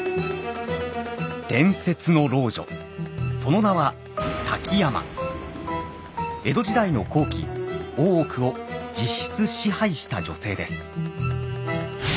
その名は江戸時代の後期大奥を実質支配した女性です。